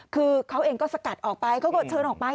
คือเขาเองก็สกัดออกไปเขาก็เชิญออกไป